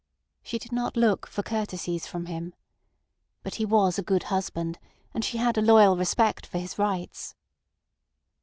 She did not look for courtesies from him. But he was a good husband, and she had a loyal respect for his rights.